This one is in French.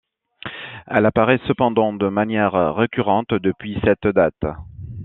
Elle apparaît cependant de manière récurrente depuis cette date.